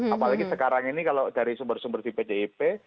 apalagi sekarang ini kalau dari sumber sumber di pdip